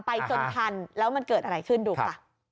จนทันแล้วมันเกิดอะไรขึ้นดูค่ะ